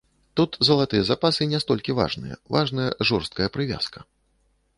Тут залатыя запасы не столькі важныя, важная жорсткая прывязка.